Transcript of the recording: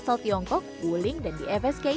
di asal tiongkok wuling dan di fsk